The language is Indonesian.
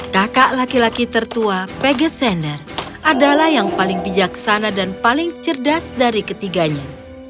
kakak laki laki tertua pegesener adalah yang paling bijaksana dan paling cerdas dari ketiganya